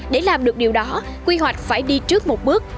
để làm được điều đó quy hoạch phải đi trước một bước